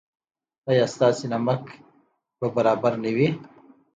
ایا ستاسو نمک به برابر نه وي؟